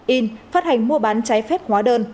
in phát hành mua bán trái phép hóa đơn